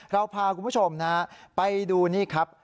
เราพาคุณผู้ชมนะไปดูนี่ครับ